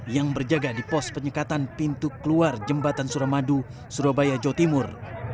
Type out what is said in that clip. yang berjaga di pos penyekatan pintu keluar jembatan suramadu surabaya jawa timur